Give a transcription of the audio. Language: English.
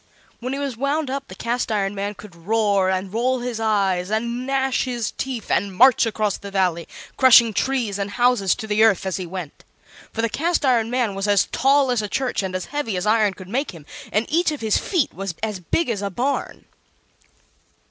When he was wound up the Cast iron Man could roar, and roll his eyes, and gnash his teeth and march across the Valley, crushing trees and houses to the earth as he went. For the Cast iron Man was as tall as a church and as heavy as iron could make him, and each of his feet was as big as a barn.